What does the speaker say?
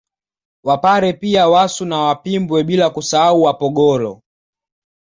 Wapare pia Wasu na Wapimbwe bila kusahau Wapogolo